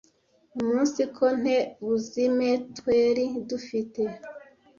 umunsiko nte buzime tweri dufite